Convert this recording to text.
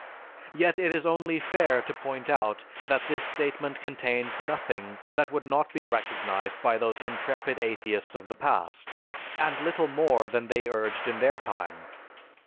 Yet it is only fair to point out that this statement contains nothing that would not be recognized by those intrepid atheists of the past, and little more than they urged in their time.